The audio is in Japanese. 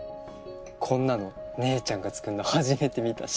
こんなの姉ちゃんが作るの初めて見たし。